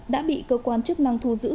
đã bị cơ quan chức năng thu giữ